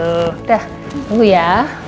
udah tunggu ya